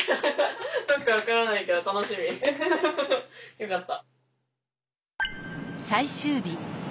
よかった。